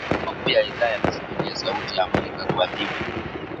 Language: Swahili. Malengo makuu ya Idhaa ya kiswahili ya Sauti ya Amerika kwa hivi